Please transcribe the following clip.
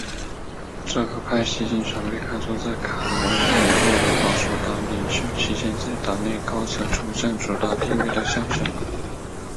这个派系经常被看作在卡梅伦作为保守党领袖期间在党内高层中占主导地位的象征。